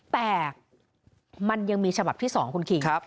แต่มันยังมีฉบับที่๒คุณคิง